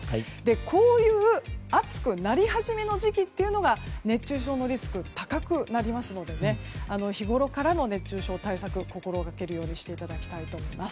こういう暑くなり始めの時期というのが熱中症のリスクが高くなりますので、日ごろから熱中症対策を心がけるようにしてください。